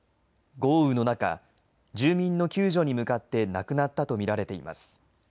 豪雨の中、住民の救助に向かって亡くなったと見られています。